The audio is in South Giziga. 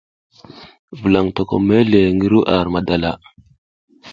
Vulaƞ tokom mezle ngi ru ar madala.